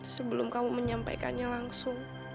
sebelum kamu menyampaikannya langsung